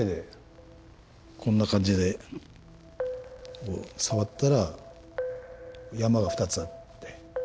こんな感じでこう触ったら山が２つあって。